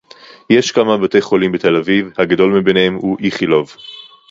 יש כמה בתי חולים בתל אביב. הגדול מבניהם הוא איכילוב